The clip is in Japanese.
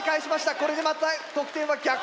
これでまた得点は逆転します。